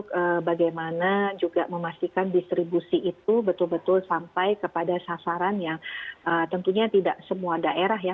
karena juga memastikan distribusi itu betul betul sampai kepada sasaran yang tentunya tidak semua daerah ya